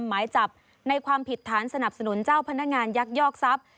หมายจับในความผิดฐานสนับสนุนเจ้าพนักงานยักยอกทรัพย์